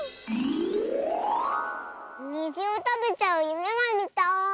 にじをたべちゃうゆめがみたい！